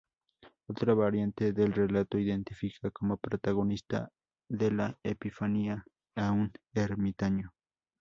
Otra variante del relato identifica como protagonista de la epifanía a un ermitaño.